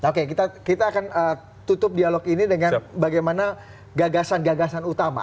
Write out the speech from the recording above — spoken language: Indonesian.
oke kita akan tutup dialog ini dengan bagaimana gagasan gagasan utama